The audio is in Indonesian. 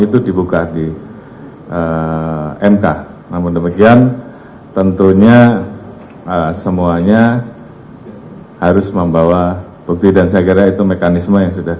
tentunya berbagai macam isu